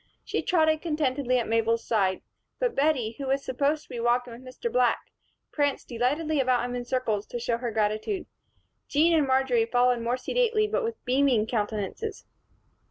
She trotted contentedly at Mabel's side; but Bettie, who was supposed to be walking with Mr. Black, pranced delightedly about him in circles, to show her gratitude. Jean and Marjory followed more sedately but with beaming countenances.